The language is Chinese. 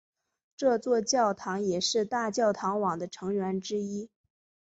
这座教堂也是大教堂网的成员之一。